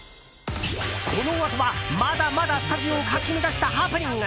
このあとは、まだまだスタジオをかき乱したハプニング。